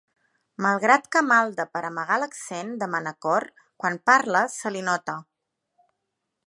Malgrat que malda per amagar l'accent de Manacor quan parla, se li nota.